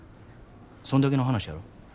そんだけの話やろ。